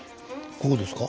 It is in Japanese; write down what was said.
こうですか？